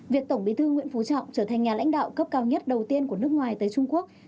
việc tổng bí thư nguyễn phú trọng trở thành nhà lãnh đạo cấp cao nhất đầu tiên của nước ngoài tới trung quốc